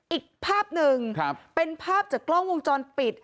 อีกภาพหนึ่งเป็นภาพจากกล้องวงจรปิด